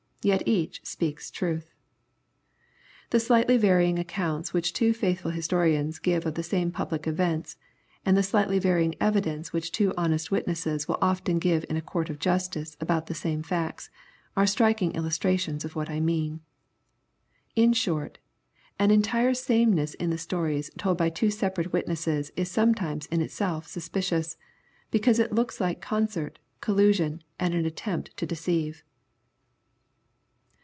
Yet each speaks truth. The slightly vaiying accounts which two faithful historians give of the same public events, and the slightly varying evidence which two honest witnesses will often give in a court of justice about the same facts, are striking illustrations of what I mean. In short, an entire sameness in the stories told by two separate witnesses is sometimes in itself suspicious, because it looks like concert^ collu sion, and an attempt to deceive.